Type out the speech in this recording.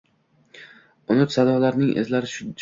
Unut sadolarning izlari tushgay